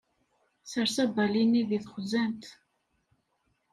Sers abali-nni deg texzant.